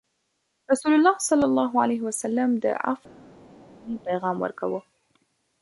رسول الله صلى الله عليه وسلم د عفوې او بخښنې پیغام ورکوه.